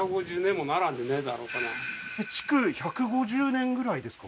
築１５０年ぐらいですか？